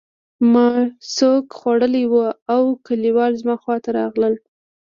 ما شوک خوړلی و او کلیوال زما خواته راغلل